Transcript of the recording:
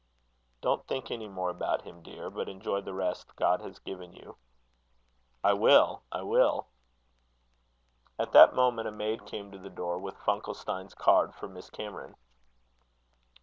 "Don't think any more about him, dear, but enjoy the rest God has given you." "I will, I will." At that moment, a maid came to the door, with Funkelstein's card for Miss Cameron.